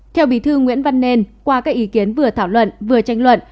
theo bí thư nguyễn văn nên qua các ý kiến vừa thảo luận vừa tranh luận